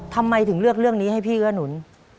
ทำไมถึงเลือกเรื่องนี้ให้พี่เอื้อหนุน